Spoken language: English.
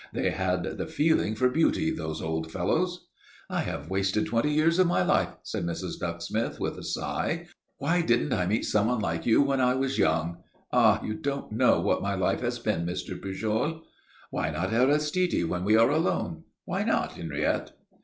They had the feeling for beauty, those old fellows." "I have wasted twenty years of my life," said Mrs. Ducksmith, with a sigh. "Why didn't I meet someone like you when I was young? Ah, you don't know what my life has been, Mr. Pujol." "Why not Aristide when we are alone? Why not, Henriette?"